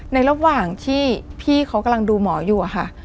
ในระหว่างที่พี่เขากำลังดูหมออยู่อะค่ะ